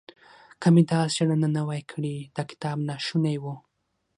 که مې دا څېړنه نه وای کړې دا کتاب ناشونی و.